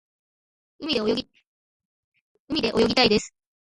海で泳ぎたいです。